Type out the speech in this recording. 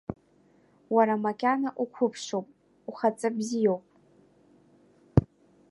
Уара макьана уқәыԥшуп, ухаҵабзиоуп.